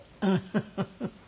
フフフフ。